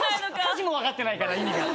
歌詞を分かってないから意味が。